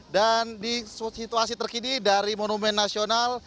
dan di situasi terkini dari monumen nasional